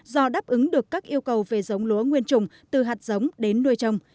do đáp ứng được các yêu cầu về giống lúa nguyên trùng từ hạt giống đến nuôi trồng